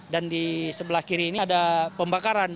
dan di sebelah kiri ini ada pembakaran